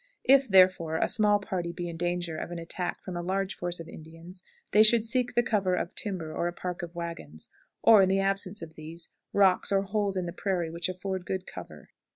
If, therefore, a small party be in danger of an attack from a large force of Indians, they should seek the cover of timber or a park of wagons, or, in the absence of these, rocks or holes in the prairie which afford good cover.